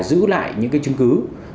giữ lại những chứng cứ